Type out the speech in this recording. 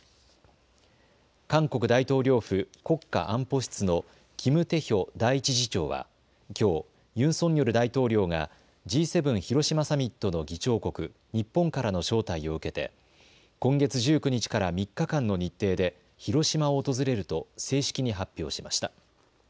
韓国大統領府国家安保室のキム・テヒョ第１次長はきょうユン・ソンニョル大統領がＧ７広島サミットの議長国、日本からの招待を受けて今月１９日から３日間の日程で広島を訪れると正式に発表しました。